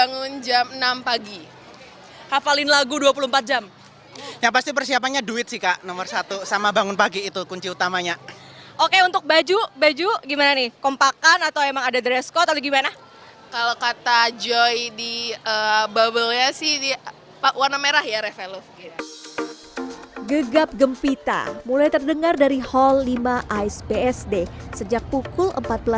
gagap gempita mulai terdengar dari hall lima ais bsd sejak pukul empat belas tiga puluh